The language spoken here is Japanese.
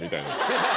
ハハハハ！